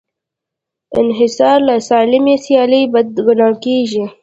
انحصار له سالمې سیالۍ بد ګڼل کېږي.